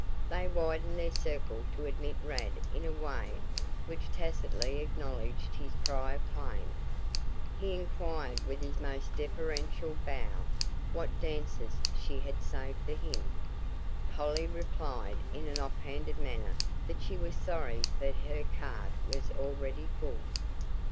They widened their circle to admit Rad in a way which tacitly acknowledged his prior claim. He inquired with his most deferential bow what dances she had saved for him. Polly replied in an off hand manner that she was sorry but her card was already full.